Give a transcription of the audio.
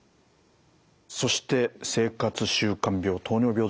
そして生活習慣病糖尿病ですね。